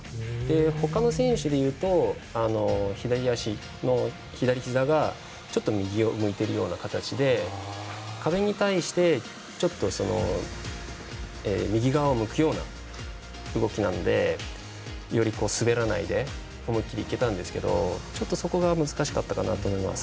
他の選手でいうと左足の左ひざが、ちょっと右を向いているような形で壁に対して右側を向くような動きなのでより滑らないで思い切りいけたんですけどちょっと、そこが難しかったかなと思います。